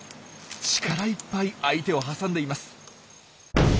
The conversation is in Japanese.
力いっぱい相手を挟んでいます。